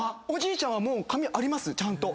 おじいちゃんは髪あります。